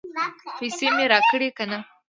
پیسې مې راکړې که نه؟